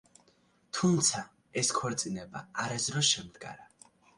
თუმცა ეს ქორწინება არასდროს შემდგარა.